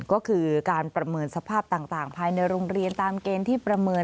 ก็คือการประเมินสภาพต่างภายในโรงเรียนตามเกณฑ์ที่ประเมิน